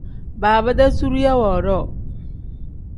Baaba-dee zuriya woodoo.